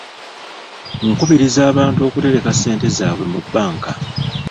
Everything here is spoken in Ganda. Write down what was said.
Nkubiriza abantu okutereka ssente zaabwe mu bbanka.